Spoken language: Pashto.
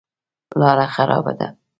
لاره خرابه ده.